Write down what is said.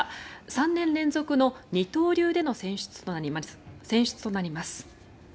３年連続の二刀流での選出となります。